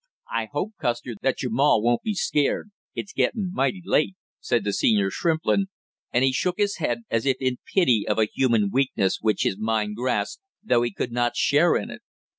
"I hope, Custer, that your ma won't be scared; it's getting mighty late," said the senior Shrimplin, and he shook his head as if in pity of a human weakness which his mind grasped, though he could not share in it.